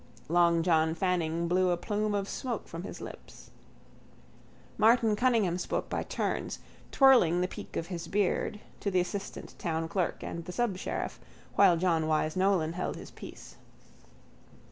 Long John Fanning blew a plume of smoke from his lips. Martin Cunningham spoke by turns, twirling the peak of his beard, to the assistant town clerk and the subsheriff, while John Wyse Nolan held his peace.